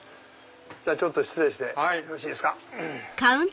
ちょっと失礼してよろしいですか。